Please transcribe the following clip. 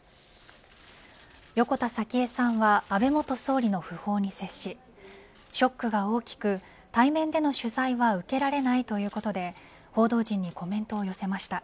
横田早紀江さんは安倍元総理の訃報に接しショックが大きく対面での取材は受けられないということで報道陣にコメントを寄せました。